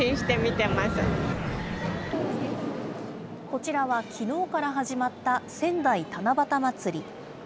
こちらはきのうから始まった仙台七夕まつり。